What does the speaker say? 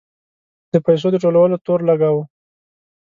د پیسو د ټولولو تور لګاوه.